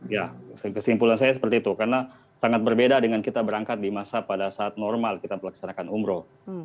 ya kesimpulan saya seperti itu karena sangat berbeda dengan kita berangkat di masa pada saat normal kita melaksanakan umroh